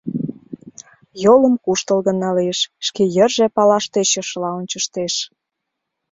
Йолым куштылгын налеш, шке йырже палаш тӧчышыла ончыштеш.